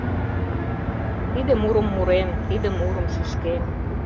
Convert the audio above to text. Тиде мурым мурем, тиде мурым шӱшкем